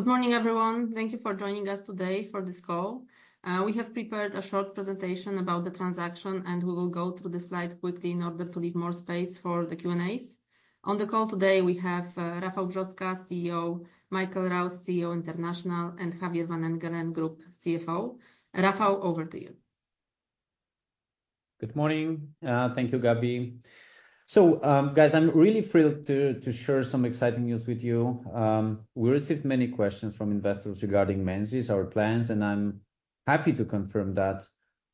Good morning, everyone. Thank you for joining us today for this call. We have prepared a short presentation about the transaction, and we will go through the slides quickly in order to leave more space for the Q&As. On the call today, we have, Rafał Brzoska, CEO, Michael Rouse, CEO International, and Javier van Engelen, Group CFO. Rafał, over to you. Good morning. Thank you, Gabi. So, guys, I'm really thrilled to share some exciting news with you. We received many questions from investors regarding Menzies, our plans, and I'm happy to confirm that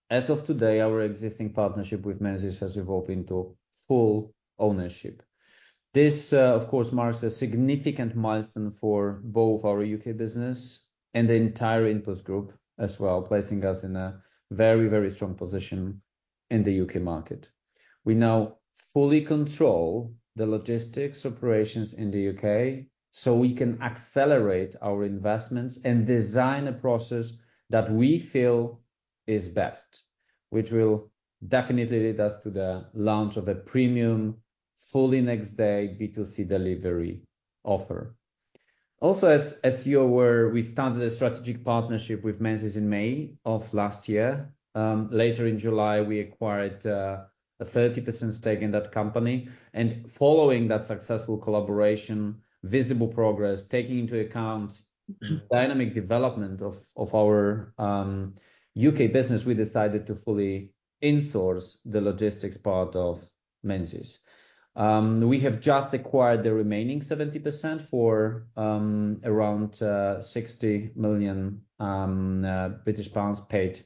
as of today, our existing partnership with Menzies has evolved into full ownership. This, of course, marks a significant milestone for both our U.K. business and the entire InPost group as well, placing us in a very, very strong position in the U.K. market. We now fully control the logistics operations in the U.K., so we can accelerate our investments and design a process that we feel is best, which will definitely lead us to the launch of a premium, fully next day B2C delivery offer. Also, as you are aware, we started a strategic partnership with Menzies in May of last year. Later in July, we acquired a 30% stake in that company, and following that successful collaboration, visible progress, taking into account the dynamic development of our U.K. business, we decided to fully insource the logistics part of Menzies. We have just acquired the remaining 70% for around 60 million British pounds, paid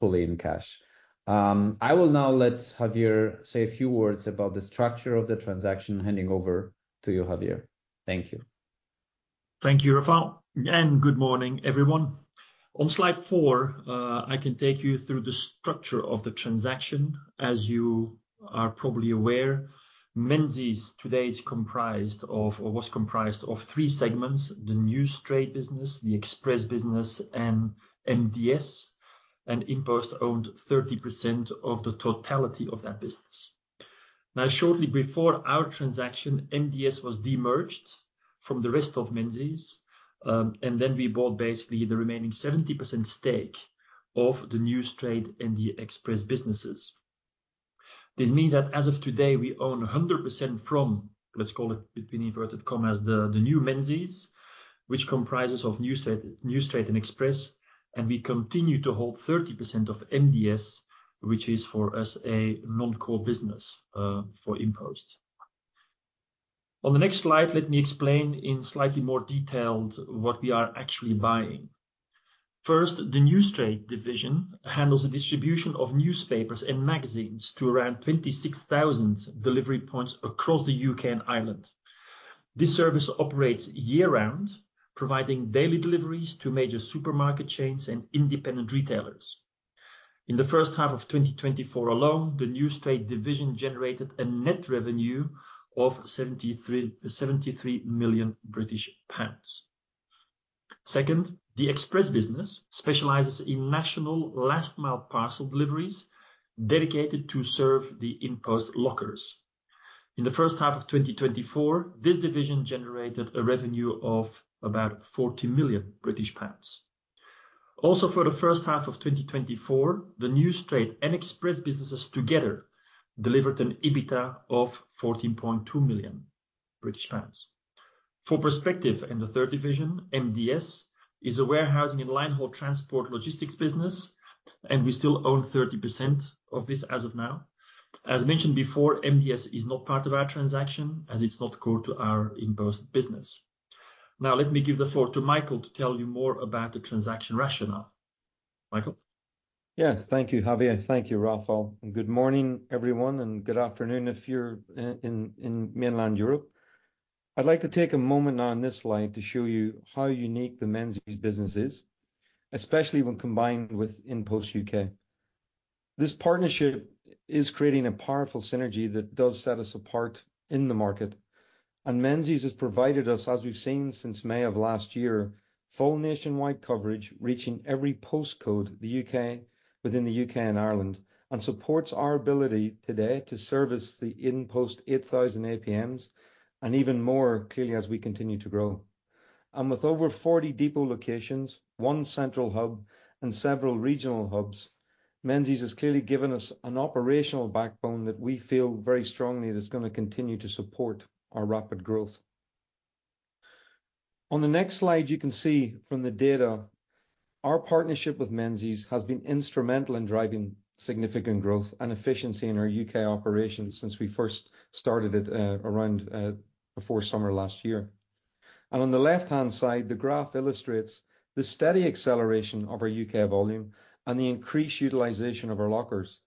fully in cash. I will now let Javier say a few words about the structure of the transaction. Handing over to you, Javier. Thank you. Thank you, Rafał, and good morning, everyone. On slide four, I can take you through the structure of the transaction. As you are probably aware, Menzies today is comprised of, or was comprised of three segments: the News Trade business, the Express business, and MDS, and InPost owned 30% of the totality of that business. Now, shortly before our transaction, MDS was de-merged from the rest of Menzies, and then we bought basically the remaining 70% stake of the News Trade and the Express businesses. This means that as of today, we own 100% from, let's call it between inverted commas, the new Menzies, which comprises of News Trade and Express, and we continue to hold 30% of MDS, which is for us, a non-core business, for InPost. On the next slide, let me explain in slightly more detail what we are actually buying. First, the News Trade division handles the distribution of newspapers and magazines to around 26,000 delivery points across the U.K. and Ireland. This service operates year-round, providing daily deliveries to major supermarket chains and independent retailers. In the first half of 2024 alone, the News Trade division generated a net revenue of 73 million British pounds. Second, the Express business specializes in national last-mile parcel deliveries dedicated to serve the InPost lockers. In the first half of 2024, this division generated a revenue of about 40 million British pounds. Also, for the first half of 2024, the News Trade and Express businesses together delivered an EBITDA of 14.2 million British pounds. For perspective, in the third division, MDS is a warehousing and linehaul transport logistics business, and we still own 30% of this as of now. As mentioned before, MDS is not part of our transaction as it's not core to our InPost business. Now, let me give the floor to Michael to tell you more about the transaction rationale. Michael? Yeah. Thank you, Javier. Thank you, Rafał, and good morning, everyone, and good afternoon if you're in mainland Europe. I'd like to take a moment on this slide to show you how unique the Menzies business is, especially when combined with InPost U.K. This partnership is creating a powerful synergy that does set us apart in the market, and Menzies has provided us, as we've seen since May of last year, full nationwide coverage, reaching every postcode in the U.K. and Ireland, and supports our ability today to service the InPost 8,000 APMs and even more clearly as we continue to grow. With over 40 depot locations, one central hub, and several regional hubs, Menzies has clearly given us an operational backbone that we feel very strongly is gonna continue to support our rapid growth. On the next slide, you can see from the data, our partnership with Menzies has been instrumental in driving significant growth and efficiency in our U.K. operations since we first started it, around, before summer last year. On the left-hand side, the graph illustrates the steady acceleration of our U.K. volume and the increased utilization of our lockers.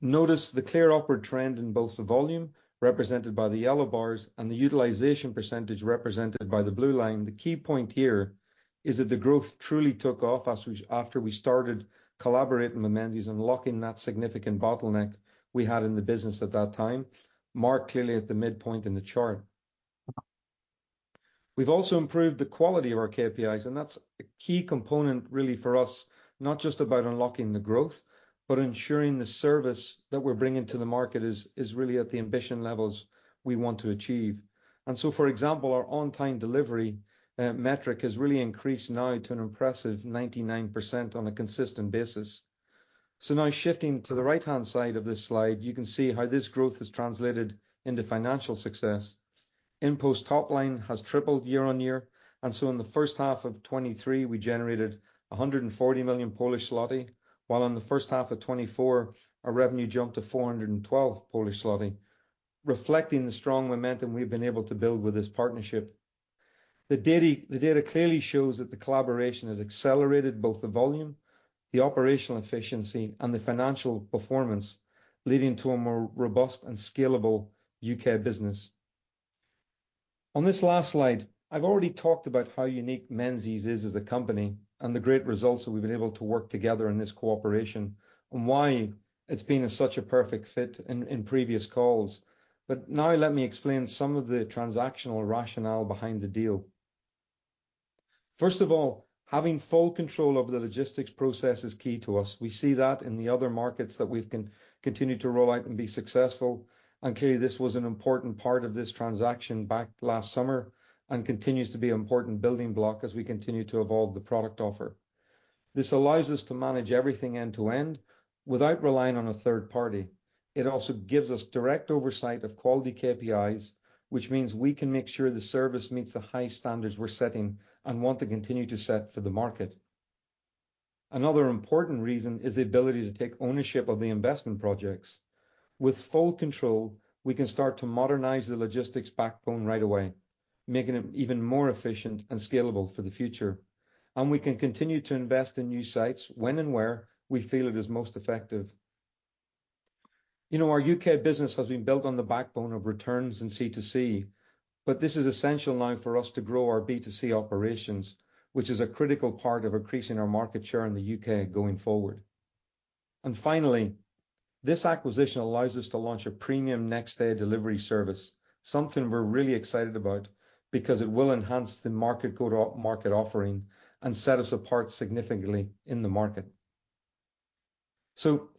Notice the clear upward trend in both the volume, represented by the yellow bars, and the utilization percentage, represented by the blue line. The key point here is that the growth truly took off as we, after we started collaborating with Menzies and unlocking that significant bottleneck we had in the business at that time, marked clearly at the midpoint in the chart. We've also improved the quality of our KPIs, and that's a key component really for us, not just about unlocking the growth, but ensuring the service that we're bringing to the market is really at the ambition levels we want to achieve. And so, for example, our on-time delivery metric has really increased now to an impressive 99% on a consistent basis. So now shifting to the right-hand side of this slide, you can see how this growth has translated into financial success. InPost top line has tripled year on year, and so in the first half of 2023, we generated 140 million, while in the first half of 2024, our revenue jumped to 412 Polish zloty, reflecting the strong momentum we've been able to build with this partnership. The data clearly shows that the collaboration has accelerated both the volume, the operational efficiency, and the financial performance, leading to a more robust and scalable U.K. business. On this last slide, I've already talked about how unique Menzies is as a company and the great results that we've been able to work together in this cooperation and why it's been such a perfect fit in previous calls, but now let me explain some of the transactional rationale behind the deal. First of all, having full control over the logistics process is key to us. We see that in the other markets that we've continued to roll out and be successful, and clearly, this was an important part of this transaction back last summer and continues to be an important building block as we continue to evolve the product offer. This allows us to manage everything end to end without relying on a third party. It also gives us direct oversight of quality KPIs, which means we can make sure the service meets the high standards we're setting and want to continue to set for the market. Another important reason is the ability to take ownership of the investment projects. With full control, we can start to modernize the logistics backbone right away, making it even more efficient and scalable for the future. And we can continue to invest in new sites when and where we feel it is most effective. You know, our U.K. business has been built on the backbone of returns and C2C, but this is essential now for us to grow our B2C operations, which is a critical part of increasing our market share in the U.K. going forward. Finally, this acquisition allows us to launch a premium next-day delivery service, something we're really excited about because it will enhance the market go-to-market offering and set us apart significantly in the market.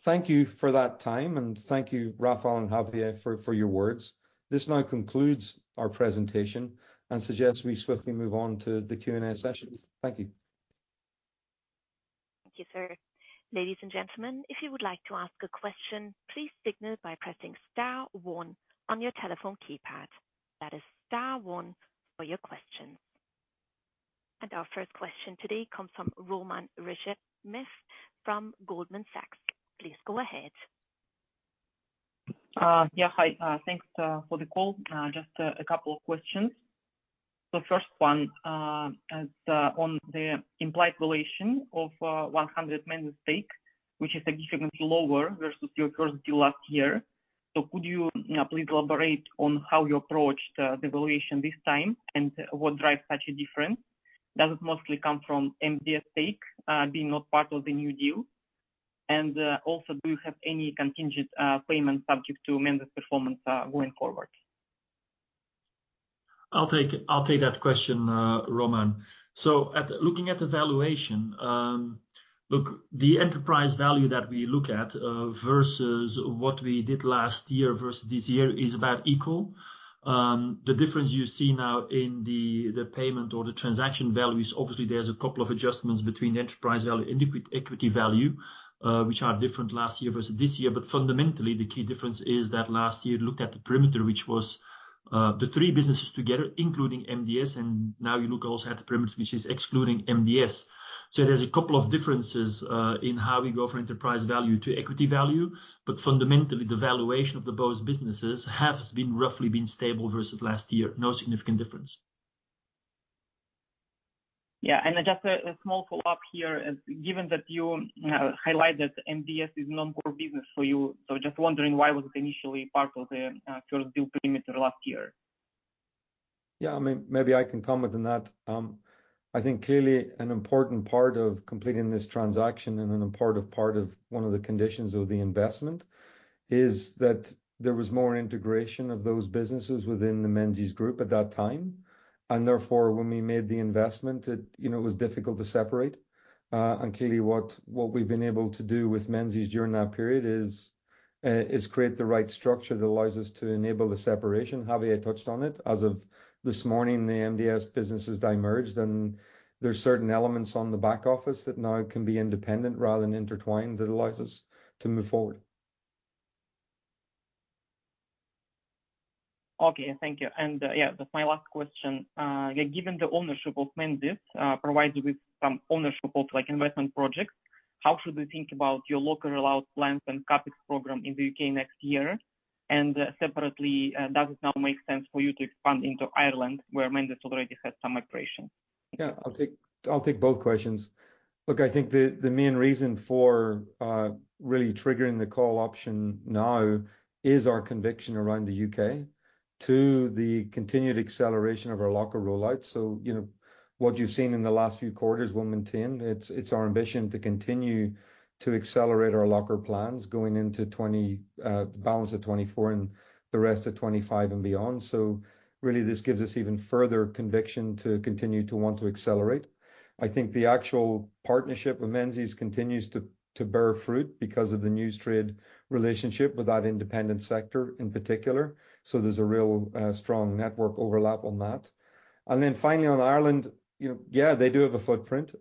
Thank you for that time, and thank you, Rafał and Javier, for your words. This now concludes our presentation and suggests we swiftly move on to the Q&A session. Thank you. Thank you, sir. Ladies and gentlemen, if you would like to ask a question, please signal by pressing star one on your telephone keypad. That is star one for your questions. And our first question today comes from Roman Reshetnev from Goldman Sachs. Please go ahead. Yeah, hi. Thanks for the call. Just a couple of questions. The first one is on the implied valuation of 100 Menzies stake, which is significantly lower versus your first deal last year. So could you, you know, please elaborate on how you approached the valuation this time and what drives such a difference? Does it mostly come from MDS stake being not part of the new deal? And also, do you have any contingent payments subject to Menzies performance going forward? I'll take that question, Roman. Looking at the valuation, look, the enterprise value that we look at versus what we did last year versus this year is about equal. The difference you see now in the payment or the transaction value is obviously there's a couple of adjustments between the enterprise value and equity value, which are different last year versus this year. But fundamentally, the key difference is that last year looked at the perimeter, which was the three businesses together, including MDS, and now you look also at the perimeter, which is excluding MDS. So there's a couple of differences in how we go from enterprise value to equity value, but fundamentally, the valuation of the both businesses has been roughly stable versus last year. No significant difference. Yeah, and just a small follow-up here. Given that you highlight that MDS is non-core business for you, so just wondering, why was it initially part of the first deal perimeter last year? Yeah, I mean, maybe I can comment on that. I think clearly an important part of completing this transaction and an important part of one of the conditions of the investment is that there was more integration of those businesses within the Menzies group at that time, and therefore, when we made the investment, it, you know, was difficult to separate. And clearly, what we've been able to do with Menzies during that period is create the right structure that allows us to enable the separation. Javier touched on it. As of this morning, the MDS business has diverged, and there's certain elements on the back office that now can be independent rather than intertwined, that allows us to move forward. Okay. Thank you. And, yeah, that's my last question. Yeah, given the ownership of Menzies provides you with some ownership of, like, investment projects, how should we think about your locker rollout plans and CapEx program in the U.K. next year? And, separately, does it now make sense for you to expand into Ireland, where Menzies already has some operations? Yeah, I'll take, I'll take both questions. Look, I think the main reason for really triggering the call option now is our conviction around the U.K. to the continued acceleration of our locker rollout. So, you know, what you've seen in the last few quarters will maintain. It's our ambition to continue to accelerate our locker plans going into twenty, the balance of 2024 and the rest of 2025 and beyond. So really, this gives us even further conviction to continue to want to accelerate. I think the actual partnership with Menzies continues to bear fruit because of the news trade relationship with that independent sector in particular. So there's a real strong network overlap on that. And then finally, on Ireland, you know, yeah, they do have a footprint.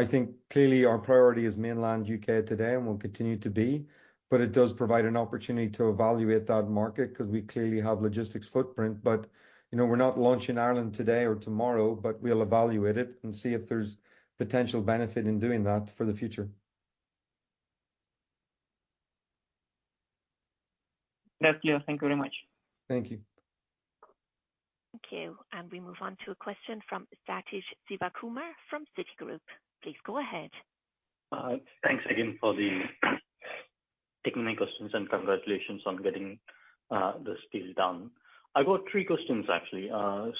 I think clearly our priority is mainland U.K. today, and will continue to be, but it does provide an opportunity to evaluate that market, 'cause we clearly have logistics footprint, but you know, we're not launching Ireland today or tomorrow, but we'll evaluate it and see if there's potential benefit in doing that for the future. That's clear. Thank you very much. Thank you. Thank you. And we move on to a question from Sathish Sivakumar from Citigroup. Please go ahead. Thanks again for taking my questions, and congratulations on getting this deal done. I've got three questions, actually.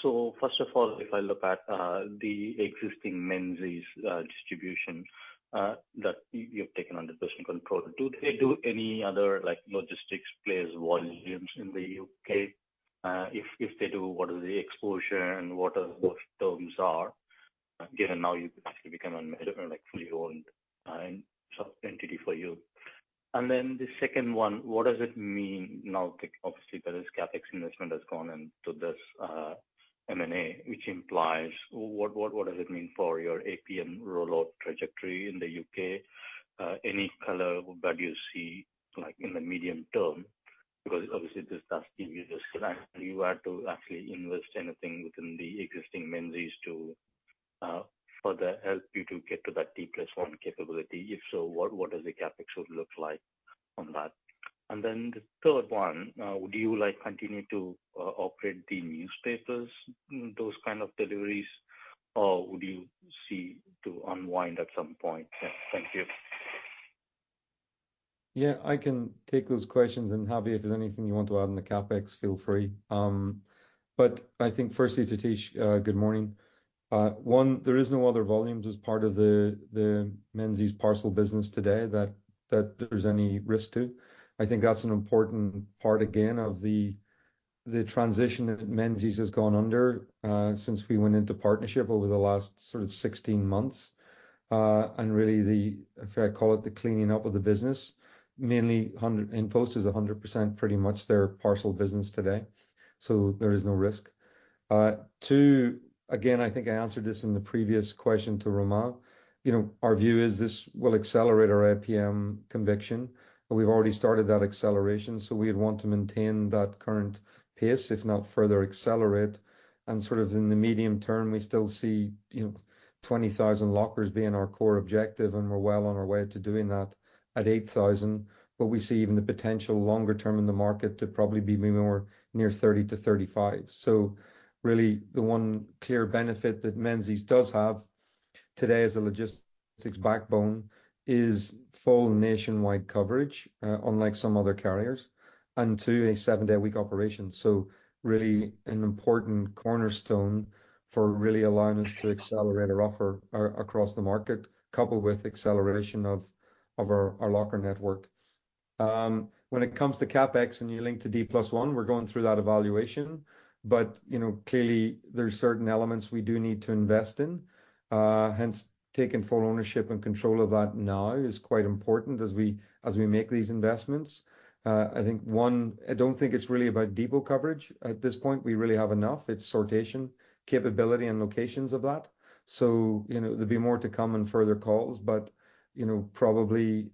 So first of all, if I look at the existing Menzies distribution that you've taken under personal control, do they do any other, like, logistics players volumes in the U.K.? If they do, what is the exposure and what are those terms, given now you've actually become a, like, fully owned sub-entity for you? And then the second one, what does it mean now, obviously, there is CapEx investment has gone into this M&A, which implies what does it mean for your APM rollout trajectory in the U.K.? Any color that you see, like, in the medium term, because obviously this does give you the slack. You had to actually invest anything within the existing Menzies to further help you to get to that D+1 capability. If so, what, what does the CapEx would look like on that? And then the third one, would you like continue to operate the newspapers, those kind of deliveries, or would you see to unwind at some point? Thank you. Yeah, I can take those questions, and Javi, if there's anything you want to add on the CapEx, feel free. But I think firstly, Sathish, good morning. One, there is no other volumes as part of the Menzies parcel business today that there's any risk to. I think that's an important part, again, of the transition that Menzies has gone under, since we went into partnership over the last sort of 16 months. And really the, if I call it, the cleaning up of the business. InPost owns 100% pretty much of their parcel business today, so there is no risk. Two, again, I think I answered this in the previous question to Roman. You know, our view is this will accelerate our APM conviction, and we've already started that acceleration, so we'd want to maintain that current pace, if not further accelerate. And sort of in the medium term, we still see, you know, 20,000 lockers being our core objective, and we're well on our way to doing that at 8,000. But we see even the potential longer term in the market to probably be maybe more near 30 to 35. So really, the one clear benefit that Menzies does have today as a logistics backbone is full nationwide coverage, unlike some other carriers, and two, a seven-day-a-week operation. So really an important cornerstone for really allowing us to accelerate our offer across the market, coupled with acceleration of our locker network. When it comes to CapEx, and you link to D+1, we're going through that evaluation, but you know, clearly there are certain elements we do need to invest in. Hence, taking full ownership and control of that now is quite important as we make these investments. I think, one, I don't think it's really about depot coverage at this point. We really have enough. It's sortation, capability, and locations of that. So, you know, there'll be more to come in further calls, but you know, probably,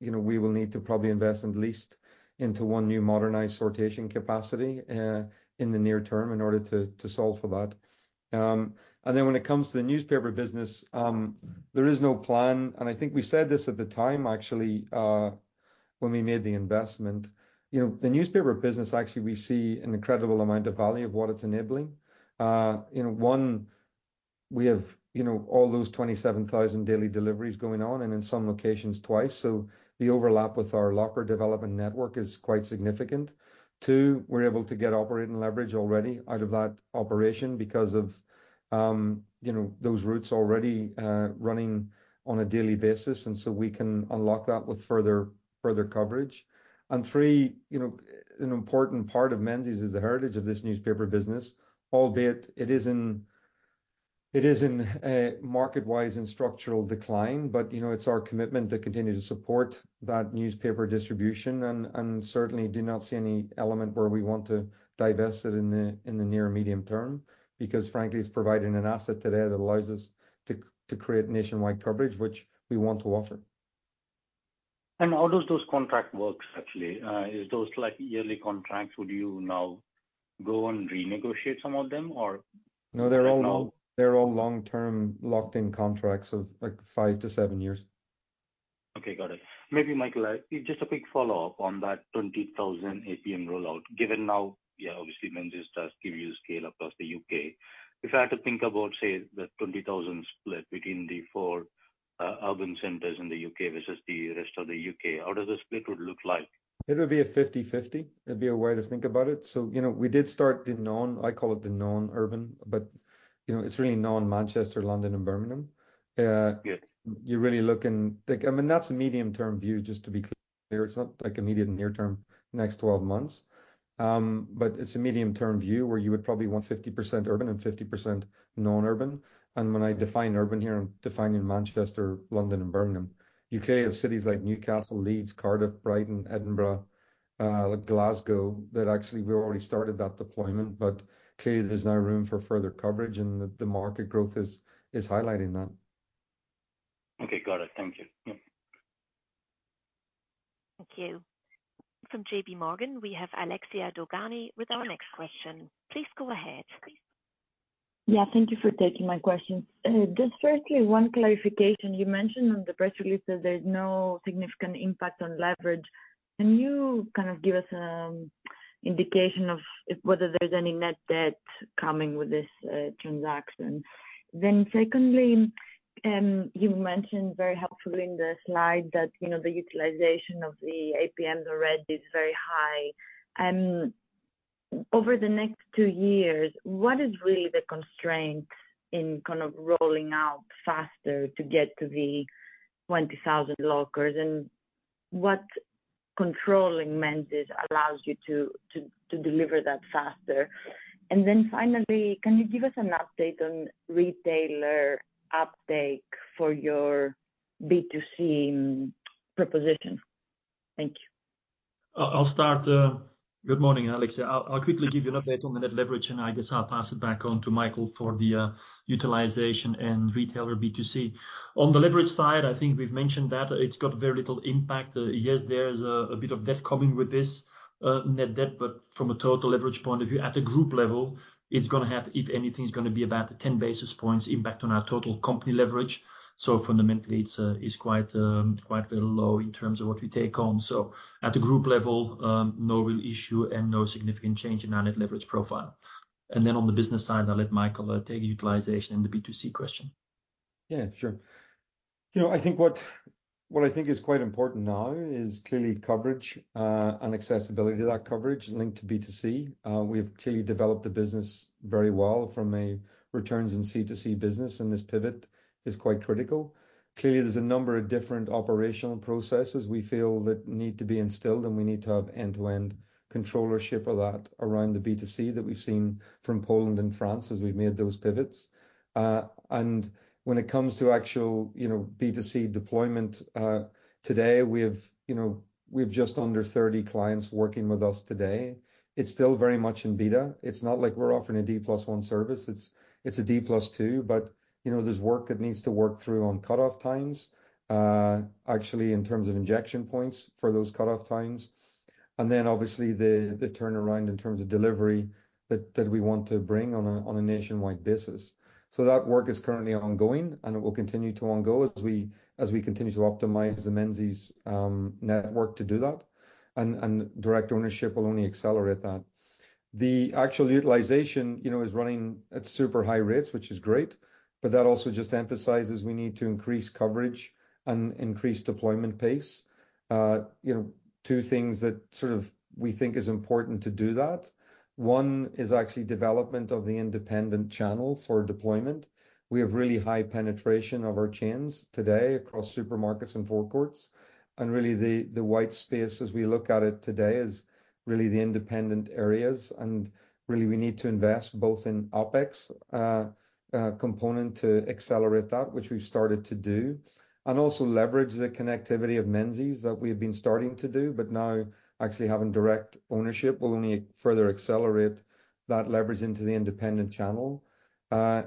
we will need to probably invest at least into one new modernized sortation capacity, in the near term in order to, to solve for that. And then when it comes to the newspaper business, there is no plan. And I think we said this at the time, actually, when we made the investment. You know, the newspaper business, actually, we see an incredible amount of value of what it's enabling. You know, one, we have, you know, all those 27,000 daily deliveries going on, and in some locations twice. So the overlap with our locker development network is quite significant. Two, we're able to get operating leverage already out of that operation because of, you know, those routes already running on a daily basis, and so we can unlock that with further coverage. And three, you know, an important part of Menzies is the heritage of this newspaper business, albeit it is in market-wise and structural decline. But, you know, it's our commitment to continue to support that newspaper distribution, and certainly do not see any element where we want to divest it in the near medium term, because frankly, it's providing an asset today that allows us to create nationwide coverage, which we want to offer. How do those contracts work, actually? Are those like yearly contracts? Would you now go and renegotiate some of them, or? No, they're all long-term, locked-in contracts of, like, five to seven years. Okay, got it. Maybe, Michael, just a quick follow-up on that 20,000 APM rollout. Given now, yeah, obviously, Menzies does give you scale across the U.K. If I had to think about, say, the 20,000 split between the four urban centers in the U.K. versus the rest of the U.K., how does the split would look like? It would be a 50/50. It'd be a way to think about it. So, you know, we did start the known. I call it the known urban, but, you know, it's really known Manchester, London and Birmingham. Good. You're really looking... Like, I mean, that's a medium-term view, just to be clear. It's not like immediate and near term, next 12 months. But it's a medium-term view, where you would probably want 50% urban and 50% non-urban. And when I define urban here, I'm defining Manchester, London and Birmingham. The U.K. has cities like Newcastle, Leeds, Cardiff, Brighton, Edinburgh, Glasgow, that actually we already started that deployment, but clearly there's now room for further coverage, and the market growth is highlighting that. Okay, got it. Thank you. Yeah.... Thank you. From Barclays, we have Alexia Dogani with our next question. Please go ahead. Yeah, thank you for taking my question. Just firstly, one clarification: you mentioned on the press release that there's no significant impact on leverage. Can you kind of give us indication of whether there's any net debt coming with this transaction? Then secondly, you mentioned very helpfully in the slide that, you know, the utilization of the APMs already is very high. Over the next two years, what is really the constraint in kind of rolling out faster to get to the 20,000 lockers? And what controlling Menzies allows you to deliver that faster? And then finally, can you give us an update on retailer uptake for your B2C proposition? Thank you. I'll start. Good morning, Alexia. I'll quickly give you an update on the net leverage, and I guess I'll pass it back on to Michael for the utilization and retailer B2C. On the leverage side, I think we've mentioned that it's got very little impact. Yes, there's a bit of debt coming with this net debt, but from a total leverage point of view, at the group level, it's gonna have, if anything, it's gonna be about 10 basis points impact on our total company leverage. So fundamentally, it's quite very low in terms of what we take on. So at the group level, no real issue and no significant change in our net leverage profile. Then on the business side, I'll let Michael take the utilization and the B2C question. Yeah, sure. You know, I think what I think is quite important now is clearly coverage, and accessibility to that coverage linked to B2C. We've clearly developed the business very well from a returns and C2C business, and this pivot is quite critical. Clearly, there's a number of different operational processes we feel that need to be instilled, and we need to have end-to-end controllership of that around the B2C that we've seen from Poland and France as we've made those pivots. And when it comes to actual, you know, B2C deployment, today, you know, we have just under 30 clients working with us today. It's still very much in beta. It's not like we're offering a D+1 service. It's a D+2, but you know, there's work that needs to work through on cutoff times, actually in terms of injection points for those cutoff times, and then obviously the turnaround in terms of delivery that we want to bring on a nationwide basis, so that work is currently ongoing, and it will continue to ongoing as we continue to optimize the Menzies network to do that, and direct ownership will only accelerate that. The actual utilization you know is running at super high rates, which is great, but that also just emphasizes we need to increase coverage and increase deployment pace. You know, two things that sort of we think is important to do that: One is actually development of the independent channel for deployment. We have really high penetration of our chains today across supermarkets and forecourts, and really, the white space as we look at it today is really the independent areas, and really we need to invest both in OPEX component to accelerate that, which we've started to do, and also leverage the connectivity of Menzies that we have been starting to do, but now actually having direct ownership will only further accelerate that leverage into the independent channel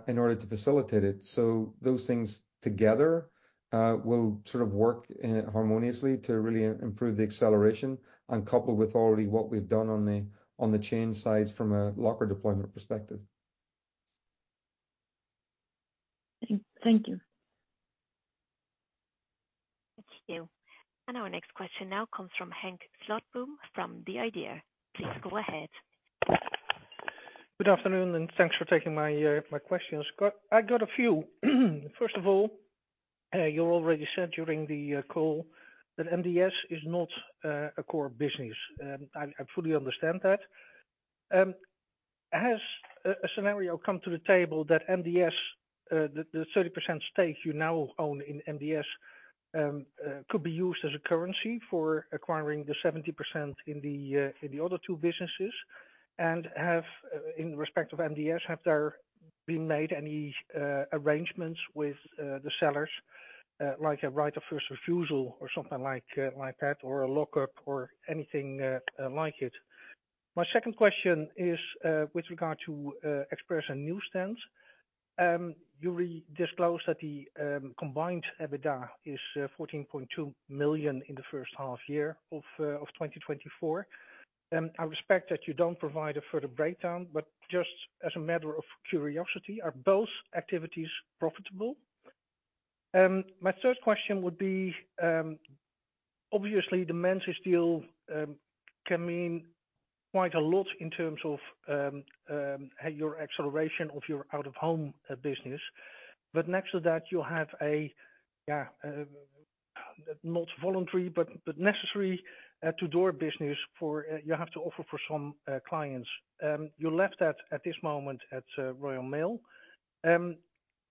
in order to facilitate it, so those things together will sort of work harmoniously to really improve the acceleration and coupled with already what we've done on the chain side from a locker deployment perspective. Thank you. Thank you. And our next question now comes from Henk Slotboom, from The Idea. Please go ahead. Good afternoon, and thanks for taking my questions. I got a few. First of all, you already said during the call that MDS is not a core business, and I fully understand that. Has a scenario come to the table that MDS, the 30% stake you now own in MDS, could be used as a currency for acquiring the 70% in the other two businesses? And have, in respect of MDS, have there been made any arrangements with the sellers, like a right of first refusal or something like that, or a lockup or anything like it? My second question is, with regard to Express and News Trade. You recently disclosed that the combined EBITDA is 14.2 million in the first half year of 2024. I respect that you don't provide a further breakdown, but just as a matter of curiosity, are both activities profitable? My third question would be, obviously, the Menzies deal can mean quite a lot in terms of your acceleration of your out-of-home business. But next to that, you have a, yeah, not voluntary, but necessary, door-to-door business you have to offer to some clients. You left that at this moment at Royal Mail.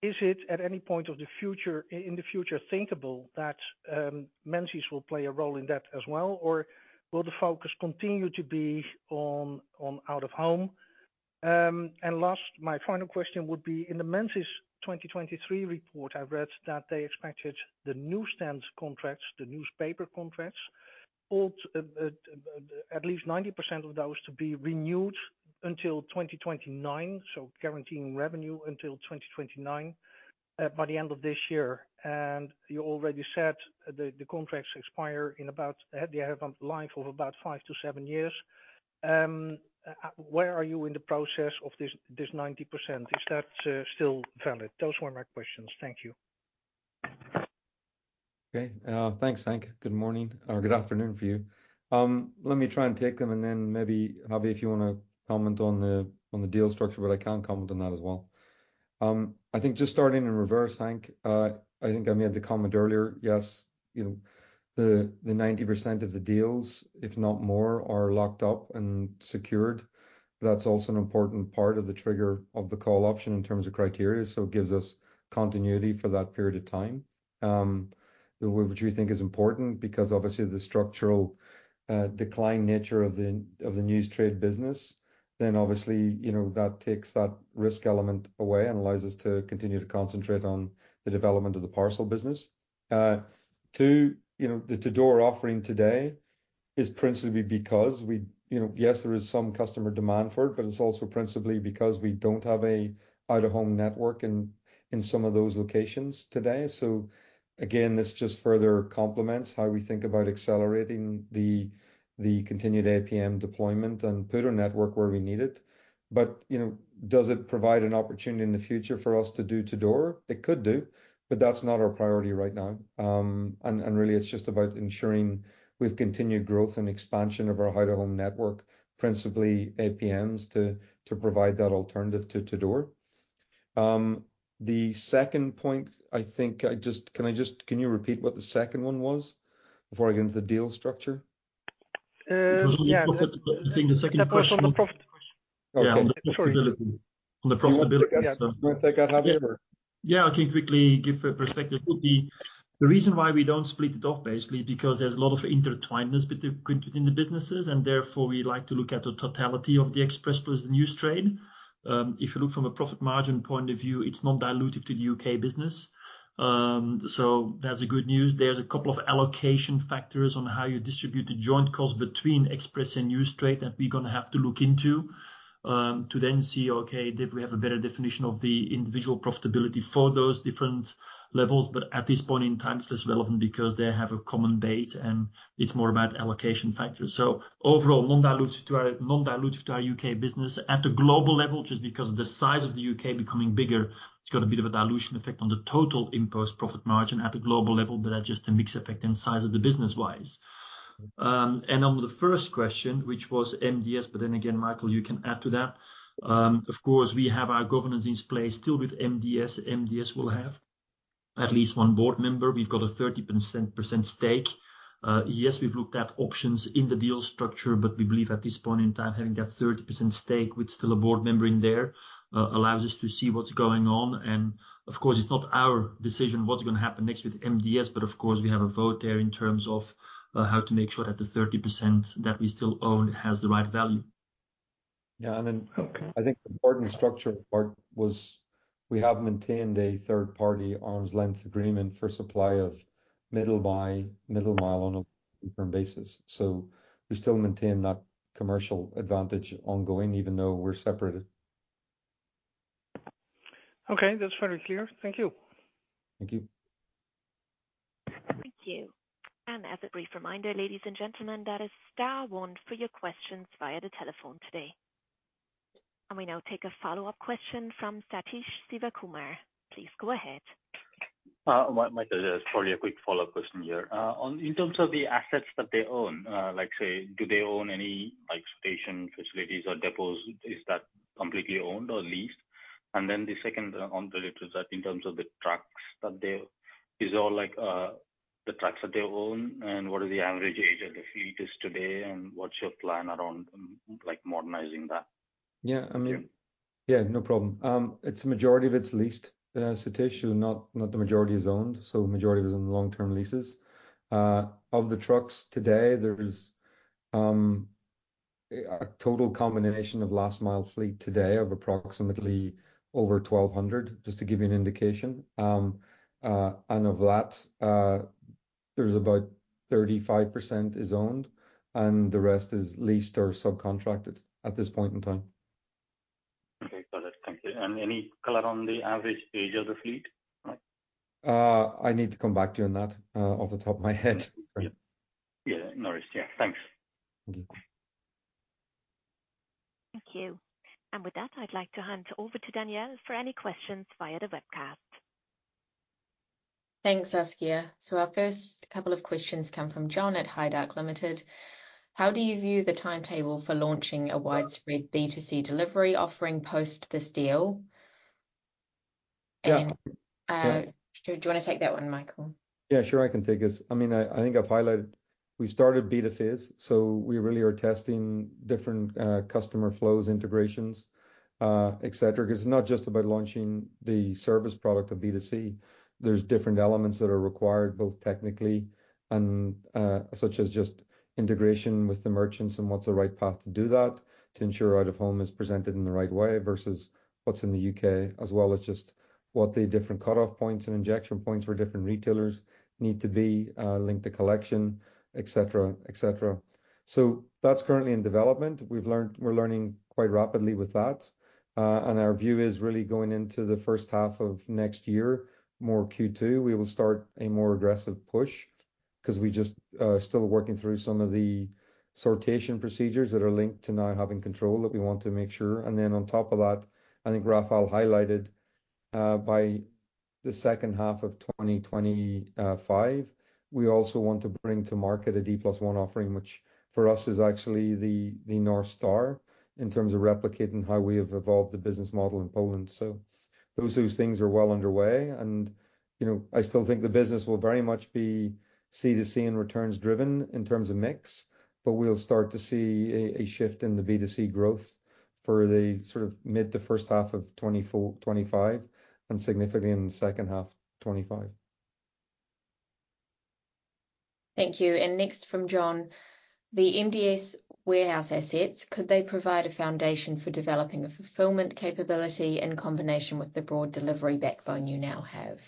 Is it at any point in the future thinkable that Menzies will play a role in that as well, or will the focus continue to be on out of home? And last, my final question would be: In the Menzies 2023 report, I read that they expected the News Trade contracts, the newspaper contracts, all at least 90% of those to be renewed until 2029, so guaranteeing revenue until 2029 by the end of this year, and you already said the contracts expire in about, they have a life of about five to seven years. Where are you in the process of this 90%? Is that still valid? Those were my questions. Thank you. Okay. Thanks, Henk. Good morning, or good afternoon for you. Let me try and take them, and then maybe, Javi, if you want to comment on the, on the deal structure, but I can comment on that as well. I think just starting in reverse, Henk, I think I made the comment earlier, yes, you know, the 90% of the deals, if not more, are locked up and secured. That's also an important part of the trigger of the call option in terms of criteria, so it gives us continuity for that period of time. Which we think is important because obviously the structural decline nature of the news trade business, then obviously, you know, that takes that risk element away and allows us to continue to concentrate on the development of the parcel business. Two, you know, the door-to-door offering today is principally because we, you know, yes, there is some customer demand for it, but it's also principally because we don't have an out-of-home network in some of those locations today. So again, this just further complements how we think about accelerating the continued APM deployment and put our network where we need it. You know, does it provide an opportunity in the future for us to do door-to-door? It could do, but that's not our priority right now. And really, it's just about ensuring we've continued growth and expansion of our out-of-home network, principally APMs, to provide that alternative to door-to-door. The second point, I think I just, can I just, can you repeat what the second one was before I get into the deal structure? Uh, yeah. I think the second question- That was on the profit question. Okay. On the profitability. Do you want to take that, Javi, or? Yeah, I think quickly give a perspective, would be the reason why we don't split it off, basically, because there's a lot of intertwined between the businesses, and therefore, we like to look at the totality of the Express plus the News Trade. If you look from a profit margin point of view, it's not dilutive to the U.K. business. So that's the good news. There's a couple of allocation factors on how you distribute the joint costs between Express and News Trade that we're gonna have to look into, to then see, okay, if we have a better definition of the individual profitability for those different levels. But at this point in time, it's less relevant because they have a common base, and it's more about allocation factors. So overall, non-dilutive to our U.K. business. At the global level, just because of the size of the U.K. becoming bigger, it's got a bit of a dilution effect on the total InPost profit margin at the global level, but that's just a mix effect and size of the business-wise. On the first question, which was MDS, but then again, Michael, you can add to that. Of course, we have our governance in place still with MDS. MDS will have at least one board member. We've got a 30% stake. Yes, we've looked at options in the deal structure, but we believe at this point in time, having that 30% stake with still a board member in there, allows us to see what's going on. Of course, it's not our decision what's going to happen next with MDS, but of course, we have a vote there in terms of how to make sure that the 30% that we still own has the right value. Yeah, and then I think the important structural part was we have maintained a third-party arm's length agreement for supply of middle mile on a long-term basis. So we still maintain that commercial advantage ongoing, even though we're separated. Okay, that's very clear. Thank you. Thank you. Thank you. And as a brief reminder, ladies and gentlemen, that is star one for your questions via the telephone today. And we now take a follow-up question from Sathish Sivakumar. Please, go ahead. Michael, just sorry, a quick follow-up question here. In terms of the assets that they own, like, say, do they own any, like, station facilities or depots? Is that completely owned or leased? And then the second one related to that, in terms of the trucks that they own. Are all the trucks that they own, and what is the average age of the fleet today, and what's your plan around, like, modernizing that? Yeah, I mean... Yeah, no problem. It's a majority of it's leased, Sathish, not, not the majority is owned, so majority is in long-term leases. Of the trucks today, there is, a total combination of last mile fleet today of approximately over 1200, just to give you an indication. And of that, there's about 35% is owned, and the rest is leased or subcontracted at this point in time. Okay, got it. Thank you. And any color on the average age of the fleet? I need to come back to you on that, off the top of my head. Yeah, no worries. Yeah, thanks. Thank you. Thank you. And with that, I'd like to hand over to Danielle for any questions via the webcast. Thanks, Sathish. So our first couple of questions come from John at Heidemark Limited. How do you view the timetable for launching a widespread B2C delivery offering post this deal? Yeah. Do you want to take that one, Michael? Yeah, sure, I can take this. I mean, I think I've highlighted, we started beta phase, so we really are testing different customer flows, integrations, et cetera. 'Cause it's not just about launching the service product of B2C. There's different elements that are required, both technically and such as just integration with the merchants and what's the right path to do that, to ensure out-of-home is presented in the right way versus what's in the U.K., as well as just what the different cutoff points and injection points for different retailers need to be linked to collection, et cetera, et cetera. So that's currently in development. We've learned. We're learning quite rapidly with that. And our view is really going into the first half of next year, more Q2, we will start a more aggressive push. 'Cause we just still working through some of the sortation procedures that are linked to now having control, that we want to make sure. And then on top of that, I think Rafał highlighted, by the second half of 2025, we also want to bring to market a D+1 offering, which for us is actually the North Star in terms of replicating how we have evolved the business model in Poland. So those things are well underway and, you know, I still think the business will very much be C2C and returns driven in terms of mix, but we'll start to see a shift in the B2C growth for the sort of mid- to first half of 2024-2025, and significantly in the second half of 2025. Thank you. And next from John: The MDS warehouse assets, could they provide a foundation for developing a fulfillment capability in combination with the broad delivery backbone you now have?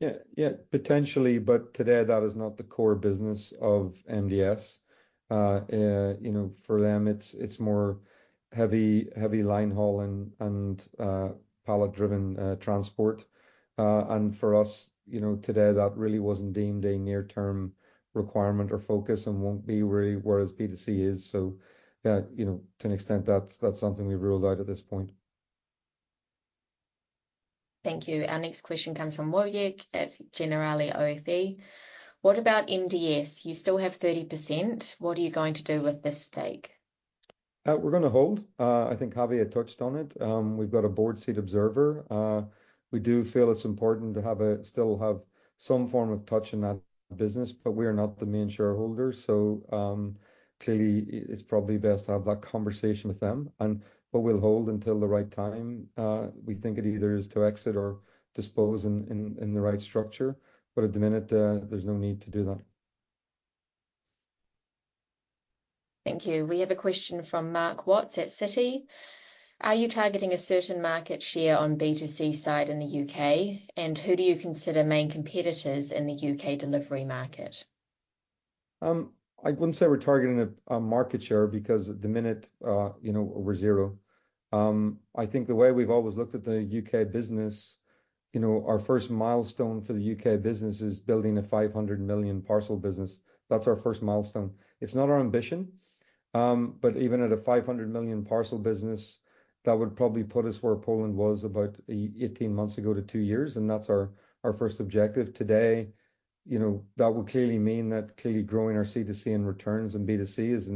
Yeah, yeah, potentially, but today that is not the core business of MDS. You know, for them, it's more heavy, heavy line haul and pallet-driven transport. And for us, you know, today, that really wasn't deemed a near-term requirement or focus and won't be where, whereas B2C is. So, you know, to an extent, that's something we ruled out at this point. Thank you. Our next question comes from Wojtek at Generali OFE: What about MDS? You still have 30%. What are you going to do with this stake? We're gonna hold. I think Javier touched on it. We've got a board seat observer. We do feel it's important to have a still have some form of touch in that business, but we are not the main shareholder. So, clearly, it, it's probably best to have that conversation with them. And but we'll hold until the right time. We think it either is to exit or dispose in, in, in the right structure, but at the minute, there's no need to do that. Thank you. We have a question from Mark Watts at Citi: Are you targeting a certain market share on B2C side in the U.K.? And who do you consider main competitors in the U.K. delivery market? I wouldn't say we're targeting a market share because at the minute, you know, we're zero. I think the way we've always looked at the U.K. business, you know, our first milestone for the U.K. business is building a 500 million parcel business. That's our first milestone. It's not our ambition, but even at a 500 million parcel business, that would probably put us where Poland was about 18 months ago to two years, and that's our first objective. Today, you know, that would clearly mean that growing our C2C and returns and B2C is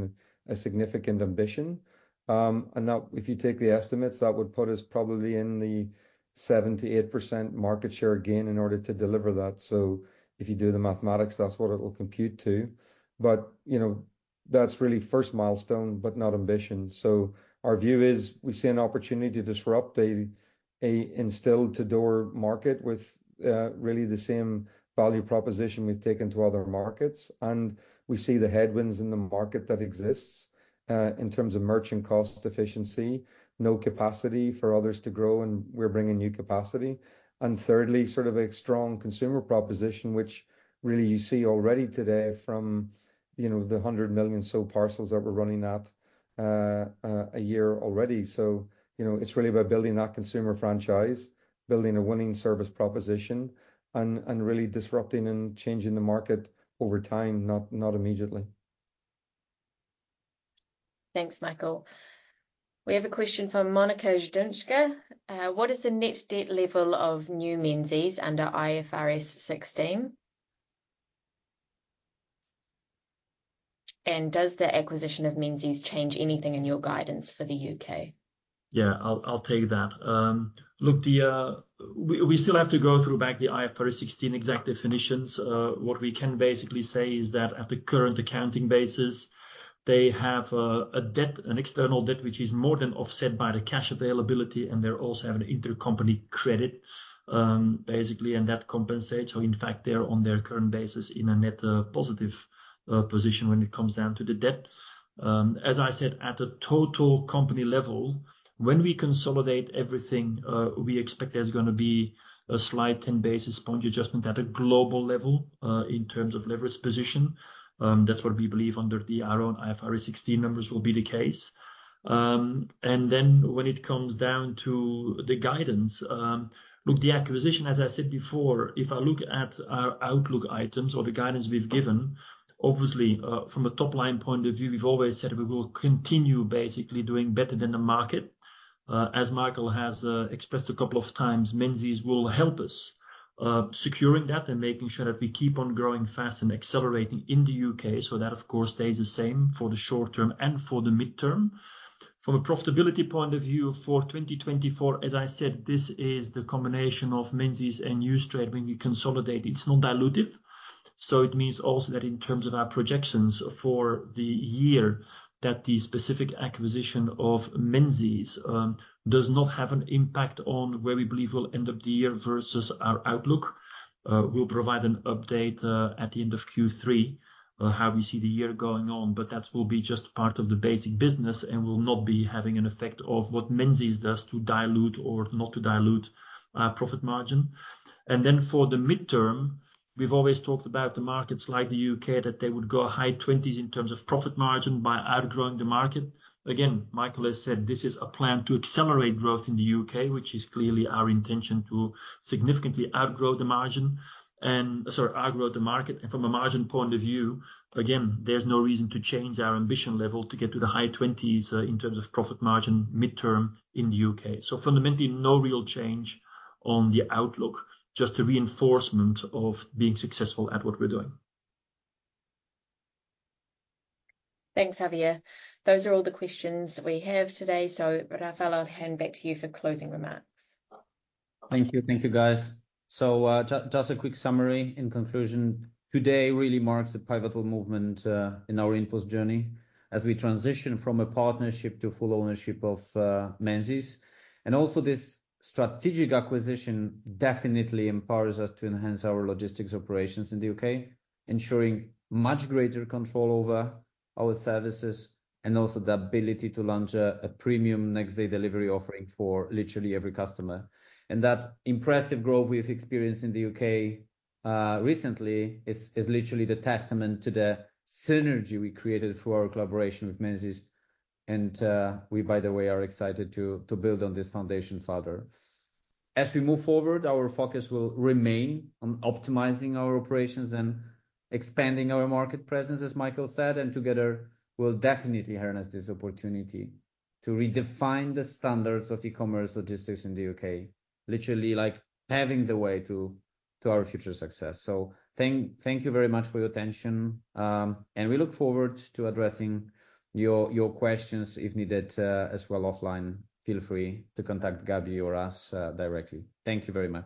a significant ambition. And now if you take the estimates, that would put us probably in the 70-80% market share again in order to deliver that. So if you do the mathematics, that's what it'll compute to. But you know, that's really first milestone, but not ambition. So our view is, we see an opportunity to disrupt an in-store to door market with really the same value proposition we've taken to other markets. And we see the headwinds in the market that exists in terms of merchant cost efficiency, no capacity for others to grow, and we're bringing new capacity. And thirdly, sort of a strong consumer proposition, which really you see already today from you know, the 100 million or so parcels that we're running at a year already. So you know, it's really about building that consumer franchise, building a winning service proposition, and really disrupting and changing the market over time, not immediately. Thanks, Michael. We have a question from Monika Zduńska: What is the net debt level of New Menzies under IFRS 16? And does the acquisition of Menzies change anything in your guidance for the U.K.? Yeah, I'll, I'll take that. Look, the... We still have to go back through the IFRS 16 exact definitions. What we can basically say is that at the current accounting basis, they have a debt, an external debt, which is more than offset by the cash availability, and they also have an intercompany credit, basically, and that compensates. So in fact, they're on their current basis in a net positive position when it comes down to the debt. As I said, at a total company level, when we consolidate everything, we expect there's gonna be a slight ten basis point adjustment at a global level, in terms of leverage position. That's what we believe under our own IFRS 16 numbers will be the case. And then when it comes down to the guidance, look, the acquisition, as I said before, if I look at our outlook items or the guidance we've given, obviously, from a top-line point of view, we've always said we will continue basically doing better than the market. As Michael has expressed a couple of times, Menzies will help us securing that and making sure that we keep on growing fast and accelerating in the U.K. So that, of course, stays the same for the short term and for the midterm. From a profitability point of view, for 2024, as I said, this is the combination of Menzies and news trade. When you consolidate, it's not dilutive, so it means also that in terms of our projections for the year, that the specific acquisition of Menzies does not have an impact on where we believe we'll end up the year versus our outlook. We'll provide an update at the end of Q3 how we see the year going on, but that will be just part of the basic business and will not be having an effect of what Menzies does to dilute or not to dilute profit margin. And then for the midterm, we've always talked about the markets like the U.K., that they would go high 20s in terms of profit margin by outgrowing the market. Again, Michael has said this is a plan to accelerate growth in the U.K., which is clearly our intention, to significantly outgrow the margin and... Sorry, outgrow the market. And from a margin point of view, again, there's no reason to change our ambition level to get to the high 20s in terms of profit margin midterm in the U.K.. So fundamentally, no real change on the outlook, just a reinforcement of being successful at what we're doing. Thanks, Javier. Those are all the questions we have today. So Rafał, I'll hand back to you for closing remarks. Thank you. Thank you, guys. Just a quick summary. In conclusion, today really marks a pivotal movement in our InPost journey as we transition from a partnership to full ownership of Menzies, and also this strategic acquisition definitely empowers us to enhance our logistics operations in the U.K., ensuring much greater control over our services and also the ability to launch a premium next-day delivery offering for literally every customer, and that impressive growth we've experienced in the U.K. recently is literally the testament to the synergy we created through our collaboration with Menzies, and by the way we are excited to build on this foundation further. As we move forward, our focus will remain on optimizing our operations and expanding our market presence, as Michael said, and together we'll definitely harness this opportunity to redefine the standards of e-commerce logistics in the U.K., literally, like, paving the way to our future success. So thank you very much for your attention, and we look forward to addressing your questions, if needed, as well offline. Feel free to contact Gabi or us directly. Thank you very much.